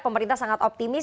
pemerintah sangat optimis